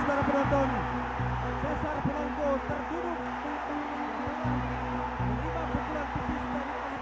cesar polanco terjunuk menyerang lima pukulan tipis